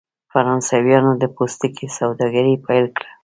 فرانسویانو د پوستکي سوداګري پیل کړه.